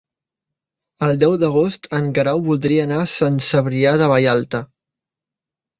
El deu d'agost en Guerau voldria anar a Sant Cebrià de Vallalta.